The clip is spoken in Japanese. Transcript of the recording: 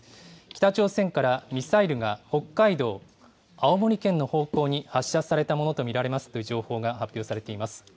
北朝鮮からミサイルが北海道、青森県の方向に発射されたものと見られますという情報が発表されています。